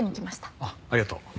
ああありがとう。